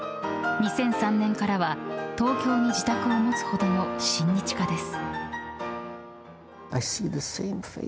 ２００３年からは東京に自宅を持つほどの親日家です。